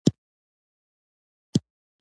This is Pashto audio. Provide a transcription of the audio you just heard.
ټکي چې ثابتیدای شي انکار ځینې ونکړو.